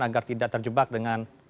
agar tidak terjebak dengan